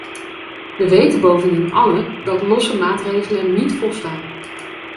Wij weten bovendien allen dat losse maatregelen niet volstaan.